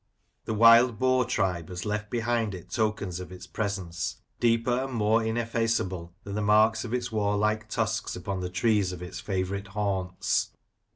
The wild boar tribe has left behind it tokens of its presence, deeper and more ineffaceable than the marks of its warlike tusks upon the trees of its favourite haunts.